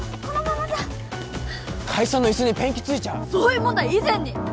このままじゃ会社のイスにペンキついちゃうそういう問題以前に！